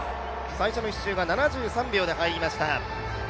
最初の１周が７３秒で入りました。